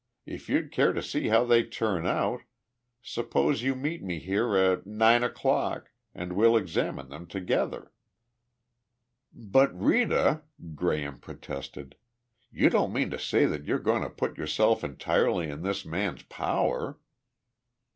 If you'd care to see how they turn out, suppose you meet me here at nine o'clock and we'll examine them together.'" "But Rita," Graham protested, "you don't mean to say that you're going to put yourself entirely in this man's power?"